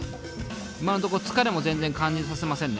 今のところ疲れも全然感じさせませんね。